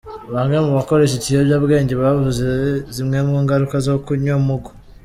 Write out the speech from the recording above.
Bamwe mu bakoresha iki kiyobyabwenge bavuze zimwe mu ingaruka zo kunywa Mugo .